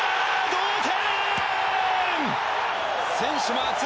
同点！